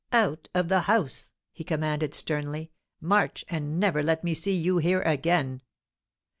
"Out of the house!" he commanded sternly. "March! And never let me see you here again."